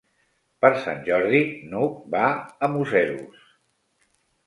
Per Sant Jordi n'Hug va a Museros.